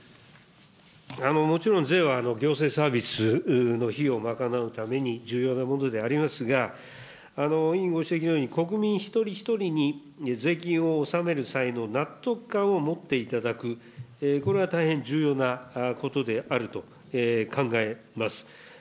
もちろん、税は行政サービスの費用を賄うために重要なものでありますが、委員ご指摘のように、国民一人一人に税金を納める際の納得感を持っていただく、これは大変重要なことであると考えます。